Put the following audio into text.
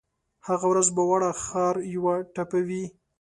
هغه ورځ به واړه ښار یوه ټپه وي